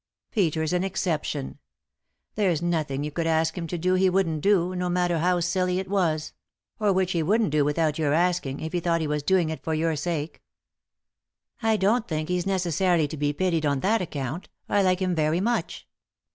Peter's an exception. There's nothing you could ask him to do he wouldn't do, no matter how silly it was; or which he wouldn't do without your asking, if he thought he was doing it for your sake." " I don't think he's necessarily to be pitied on that account. I like him very much."